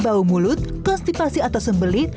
bau mulut kostipasi atau sembelit